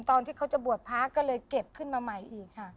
ตอนที่เขาจะบวชพระก็เลยเก็บขึ้นมาใหม่อีกค่ะ